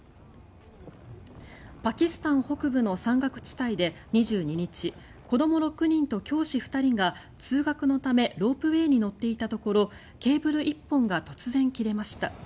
パキスタン北部の山岳地帯で２２日子ども６人と教師２人が通学のためロープウェーに乗っていたところケーブル１本が突然切れました。